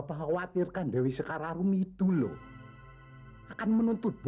masuk ke rumah api